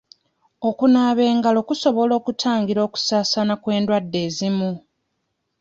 Okunaaba engalo kusobola okutangira okusaasaana kw'endwadde ezimu.